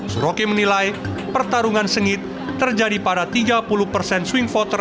suroke menilai pertarungan sengit terjadi pada tiga puluh persen swing voter